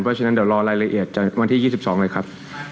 เพราะฉะนั้นเดี๋ยวรอรายละเอียดจากวันที่๒๒เลยครับ